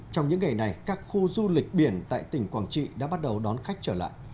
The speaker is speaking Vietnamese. trong những ngày này các khu du lịch biển tại tỉnh quảng trị đã bắt đầu đón khách trở lại